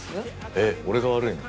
えっ俺が悪いの？